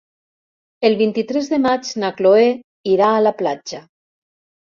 El vint-i-tres de maig na Chloé irà a la platja.